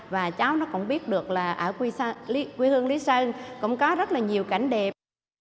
và cháu nó cũng biết được là ở quê hương lý sơn cũng có rất là nhiều cảnh đẹp